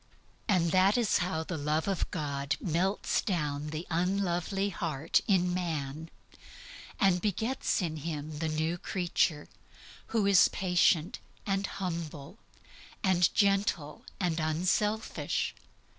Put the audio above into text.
And that is how the love of God melts down the unlovely heart in man, and begets in him the new creature, who is patient and humble and gentle and unselfish.